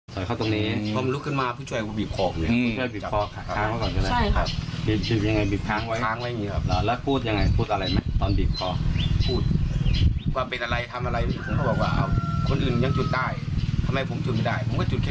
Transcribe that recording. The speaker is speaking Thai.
แต่ว่าถ้ามาตักเตือนผมดีก็ได้ไม่ต้องมาต่อยผมยังไม่รู้เรื่องอะไรเลย